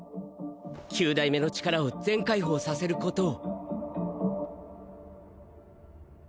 九代目の力を全解放させることを！